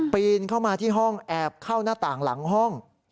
ปีนเข้ามาที่ห้องแอบเข้าหน้าต่างหลังห้อง